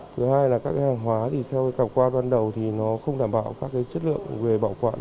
thứ hai là các hàng hóa thì theo cảm quan ban đầu thì nó không đảm bảo các chất lượng về bảo quản